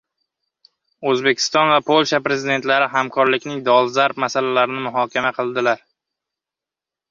O‘zbekiston va Polsha Prezidentlari hamkorlikning dolzarb masalalarini muhokama qildilar